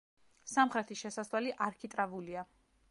სამხრეთი შესასვლელი არქიტრავულია.